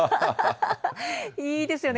いいですよね。